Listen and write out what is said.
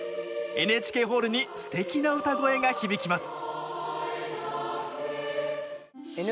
ＮＨＫホールにすてきな歌声が響きます。